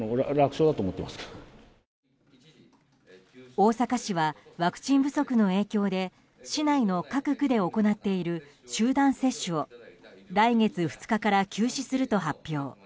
大阪市はワクチン不足の影響で市内の各区で行っている集団接種を来月２日から休止すると発表。